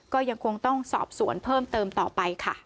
ก็ยังคงต้องสอบสวนเพิ่มเติมต่อไปค่ะ